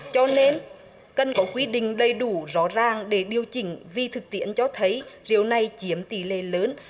cho nên cần có quy định đầy đủ rõ ràng để điều chỉnh vì thực tiễn cho thấy rượu này chiếm tỷ lệ lớn